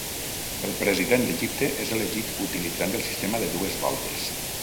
El president d'Egipte és elegit utilitzant el sistema de dues voltes.